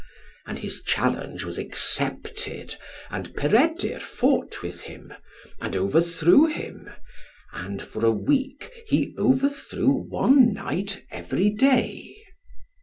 And his challenge was accepted; and Peredur fought with him, and overthrew him. And for a week he overthrew one knight every day.